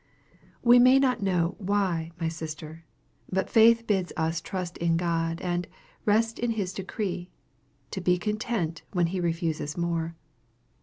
We may not know why, my sister, but faith bids us trust in God, and "rest in his decree," to be content "when he refuses more."